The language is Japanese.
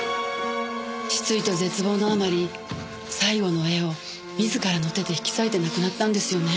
失意と絶望のあまり最後の絵を自らの手で引き裂いて亡くなったんですよね。